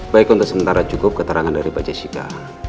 baik untuk sementara cukup keterangan dari bajasika